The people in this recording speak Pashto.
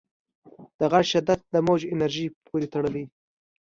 د غږ شدت د موج انرژۍ پورې تړلی.